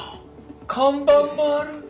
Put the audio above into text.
看板もある。